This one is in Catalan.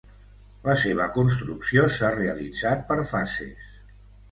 La seva construcció s'ha realitzat per fases.